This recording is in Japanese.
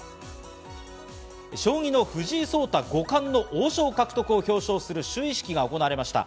将棋の藤井聡太五冠の王将獲得を表彰する就位式が行われました。